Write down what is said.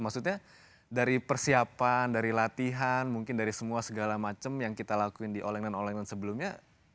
maksudnya dari persiapan dari latihan mungkin dari semua segala macam yang kita lakuin di all england all elanland sebelumnya